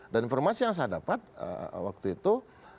dan informasi yang saya dapat waktu itu